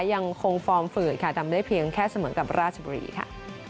ยังคงฟอร์มฝืดค่ะทำได้เพียงแค่เสมอกับราชบุรีค่ะ